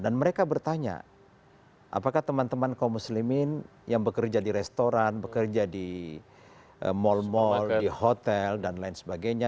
dan mereka bertanya apakah teman teman kaum muslimin yang bekerja di restoran bekerja di mall mall di hotel dan lain sebagainya